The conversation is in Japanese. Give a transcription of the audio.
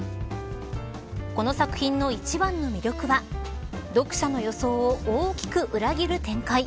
この作品の一番の魅力は読者の予想を大きく裏切る展開。